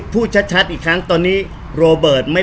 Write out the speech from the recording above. พี่บ้าน